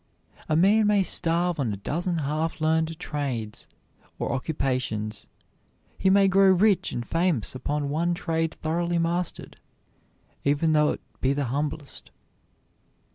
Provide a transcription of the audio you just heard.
A man may starve on a dozen half learned trades or occupations; he may grow rich and famous upon one trade thoroughly mastered, even though it be the humblest.